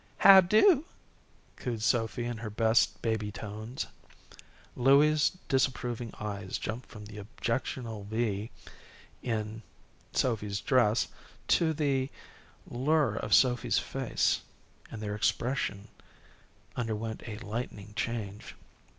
"How do!" cooed Sophy in her best baby tones. Louie's disapproving eyes jumped from the objectionable V in Sophy's dress to the lure of Sophy's face, and their expression underwent a lightning change.